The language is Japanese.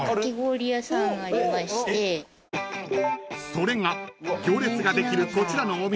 ［それが行列ができるこちらのお店］